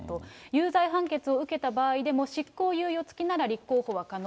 有罪判決を受けた場合でも、執行猶予付きなら立候補は可能。